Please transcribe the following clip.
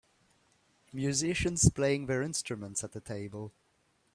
Musicians playing their instruments at a table.